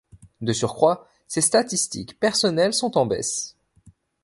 De surcroît, ses statistiques personnelles sont en baisse.